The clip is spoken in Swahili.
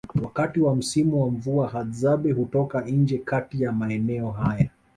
Wakati wa msimu wa mvua Hadzabe hutoka nje kati ya maeneo haya